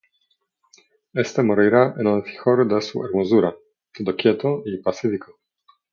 Este morirá en el vigor de su hermosura, todo quieto y pacífico.